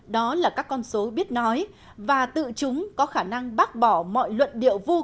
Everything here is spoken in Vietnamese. đó là các con số biết nói và tự chúng có khả năng bác bỏ mọi luận điệu vô